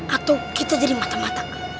atau kita jadi mata mata